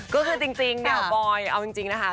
ก็คือจริงเนี่ยบอยเอาจริงนะคะ